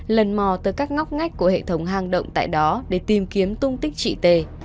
lần mò tới các ngóc ngách của hệ thống hang động tại đó để tìm kiếm tung tích chị tề